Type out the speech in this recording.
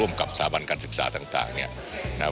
ร่วมกับสาบันการศึกษาต่าง